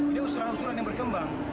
ini usulan usulan yang berkembang